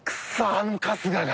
あの春日が。